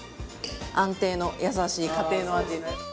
安定の優しい家庭の味。